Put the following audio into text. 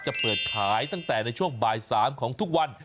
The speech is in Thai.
จะเปิดขายตั้งแต่ในช่วงบ่าย๓ของทุกวัน